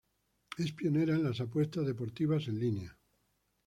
Es pionera en las apuestas deportivas en línea.